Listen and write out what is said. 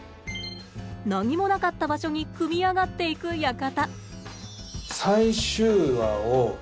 何もなかった場所に組み上がっていく館。